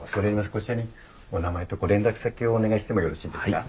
こちらにお名前とご連絡先をお願いしてもよろしいですか？